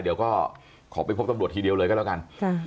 เดี๋ยวก็ขอไปพบตำรวจทีเดียวเลยก็แล้วกัน